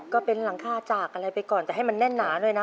ก็เป็นหลังคาจากอะไรไปก่อนแต่ให้มันแน่นหนาด้วยนะ